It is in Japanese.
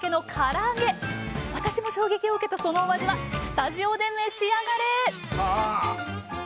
私も衝撃を受けたそのお味はスタジオで召し上がれ！